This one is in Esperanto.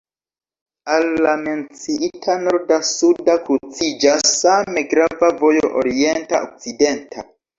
Al la menciita norda-suda kruciĝas same grava vojo orienta-okcidenta.